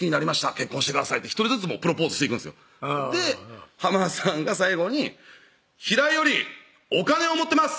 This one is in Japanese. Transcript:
「結婚してください」って１人ずつプロポーズしていくんですよで浜田さんが最後に「平井よりお金を持ってます